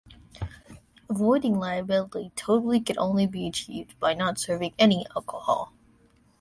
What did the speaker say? Avoiding liability totally can only be achieved by not serving any alcohol.